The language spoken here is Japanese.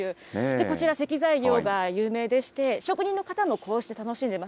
こちら、石材業が有名でして、職人の方もこうして楽しんでいます。